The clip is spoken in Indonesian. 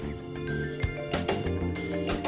juga menjadi rahasia kesuksesannya